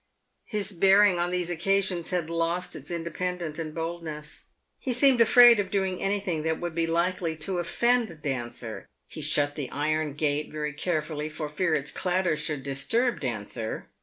His bearing on these occasions had lost its in dependence and boldness. He seemed afraid of doing anything that would be likely to offend Dancer. He shut the iron gate very care fully, for fear its clatter should disturb Dancer.